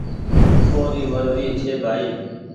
اوري مرزي ڇي ڀآئي۔